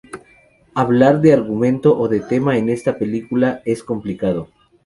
Hablar de argumento o de trama en esta película es complicado.